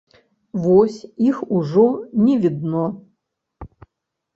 Вось іх ужо не відно.